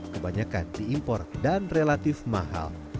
kebanyakan diimpor dan relatif mahal